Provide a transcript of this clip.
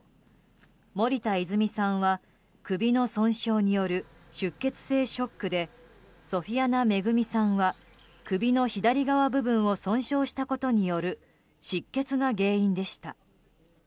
森田泉さんは、首の損傷による出血性ショックでソフィアナ恵さんは首の左側部分を損傷したことによる失血が原因でした。